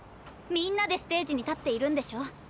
みんなでステージに立っているんでしょ。